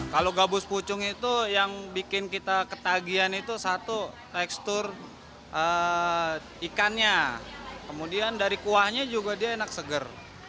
kalau gabus pucung itu yang bikin kita ketagihan itu satu tekstur ikannya kemudian dari kuahnya juga dia enak seger